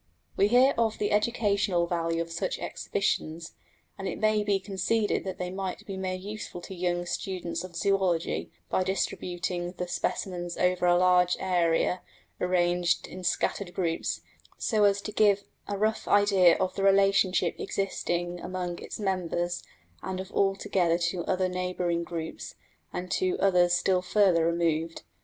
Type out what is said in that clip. We hear of the educational value of such exhibitions, and it may be conceded that they might be made useful to young students of zoology, by distributing the specimens over a large area, arranged in scattered groups so as to give a rough idea of the relationship existing among its members, and of all together to other neighbouring groups, and to others still further removed.